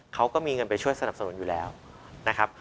เขาก็มีเงินไปช่วยสนับสนุนอยู่แล้วนะครับ